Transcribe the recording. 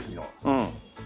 うん。